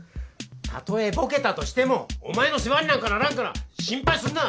たとえぼけたとしてもお前の世話になんかならんから心配すんな。